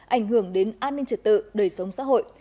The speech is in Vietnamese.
ảnh hưởng đến an ninh trật tự đời sống xã hội